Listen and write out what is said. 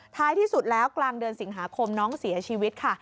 ท้ายที่สุดแล้วกลางเดือนสิงหาคมน้องเสียชีวิตค่ะ